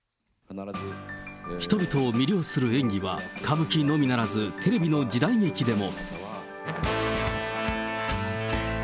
人々を魅了する演技は歌舞伎のみならず、テレビの時代劇でも。